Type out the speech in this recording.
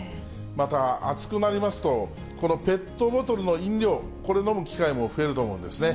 また、暑くなりますと、このペットボトルの飲料、これ、飲む機会も増えると思うんですね。